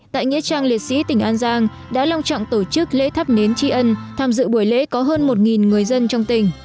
tại nghĩa trang liệt sĩ tỉnh an giang đã long trọng tổ chức lễ thắp nến tri ân tham dự buổi lễ có hơn một người dân trong tỉnh